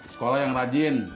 sekolah yang rajin